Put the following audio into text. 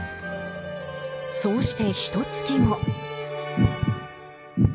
そうしてひとつき後。